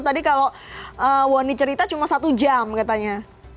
tadi kalau wonny cerita cuma satu jam katanya